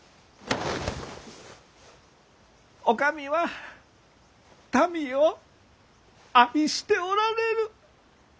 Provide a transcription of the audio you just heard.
お上は民を愛しておられる。